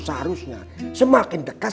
seharusnya semakin dekat